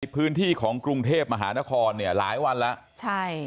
พื้นที่ของกรุงเทพมหานครเนี่ยหลายวันแล้วใช่